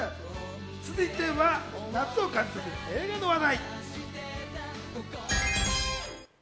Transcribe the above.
続いては夏を感じさせる映画の話題。